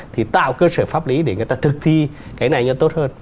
thì tạo cơ sở pháp lý để người ta thực thi cái này cho tốt hơn